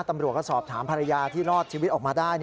ตำรวจก็สอบถามภรรยาที่รอดชีวิตออกมาได้